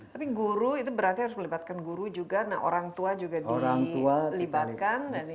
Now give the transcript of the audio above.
tapi guru itu berarti harus melibatkan guru juga nah orang tua juga dilibatkan